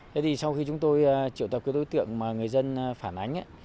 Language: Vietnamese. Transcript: thế thì sau khi chúng tôi triệu tập cái đối tượng mà người dân phản ảnh